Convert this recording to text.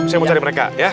saya mau cari mereka ya